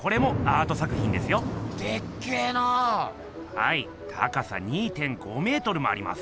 はい高さ２．５メートルもあります。